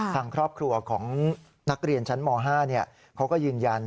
ทางครอบครัวของนักเรียนชั้นม๕เขาก็ยืนยัน